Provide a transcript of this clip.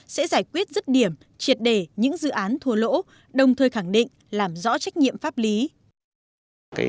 sẽ giải quyết rứt điểm triệt để những dự án thua lỗ đồng thời khẳng định làm rõ trách nhiệm pháp lý